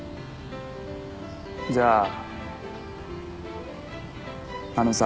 じゃああのさ。